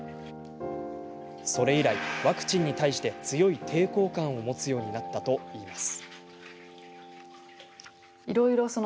それ以来、ワクチンに対して強い抵抗感を持つようになったといいます。